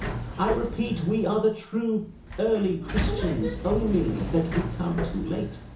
I repeat, we are the true early Christians, only that we come too late.